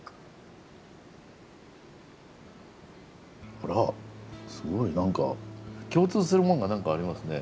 あらすごい何か共通するものが何かありますね。